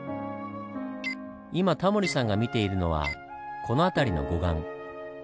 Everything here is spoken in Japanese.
今タモリさんが見ているのはこの辺りの護岸。